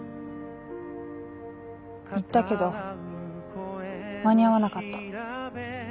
行ったけど間に合わなかった。